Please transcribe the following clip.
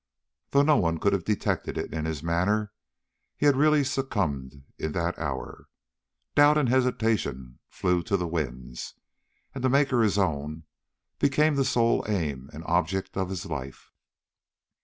Though no one could have detected it in his manner, he really succumbed in that hour. Doubt and hesitation flew to the winds, and to make her his own became the sole aim and object of his life.